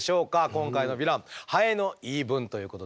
今回のヴィランハエの言い分ということで。